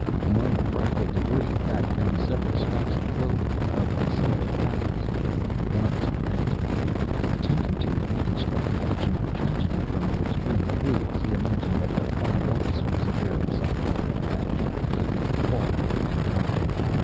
Among the frightful debris, Thad found several scraps of clothing, of dissimilar fabrics. The guns were empty. Attempting to reconstruct the action of the tragedy from those grim clues, he imagined that the five officers, aware of some peril, had gathered here, fought, and died.